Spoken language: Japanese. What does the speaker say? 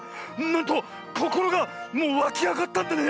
なんとこころがもうわきあがったんだね！